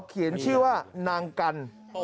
เขียนชื่อว่านางกัน